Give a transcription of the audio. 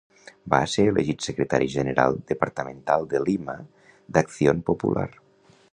Va ser elegit secretari general departamental de Lima d'Acción Popular.